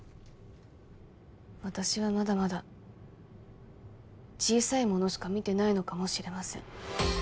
私はまだまだ小さいものしか見てないのかもしれません